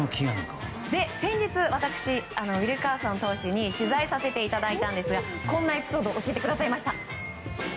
先日、私、ウィルカーソン投手に取材させていただいたんですがこんなエピソードを教えてくださいました。